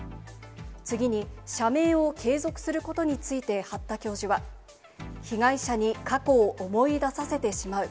次に社名を継続することについて八田教授は、被害者に過去を思い出させてしまう。